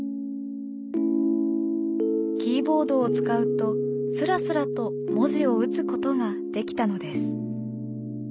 キーボードを使うとスラスラと文字を打つことができたのです。